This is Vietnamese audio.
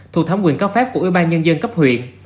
thuộc thám quyền các phép của ủy ban nhân dân cấp huyện